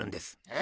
え？